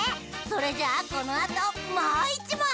それじゃあこのあともういちもん！